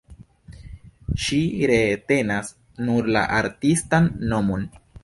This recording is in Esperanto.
Ŝi retenas nur la artistan nomon.